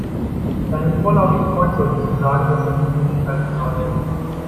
Deinem vorlauten Freund solltest du sagen, dass er sich zurückhalten soll.